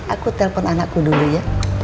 aku telpon anakku dulu ya